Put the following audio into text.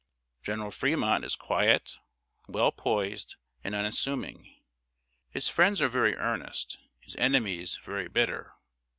General Fremont is quiet, well poised, and unassuming. His friends are very earnest, his enemies very bitter.